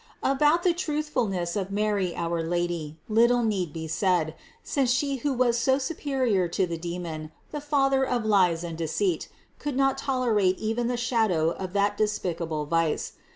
566. About the truthfulness of Mary our Lady, little need be said, since She who was so superior to the demon, the father of lies and deceit, could not tolerate even the shadow of that despicable vice.